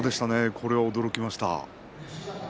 これは驚きました。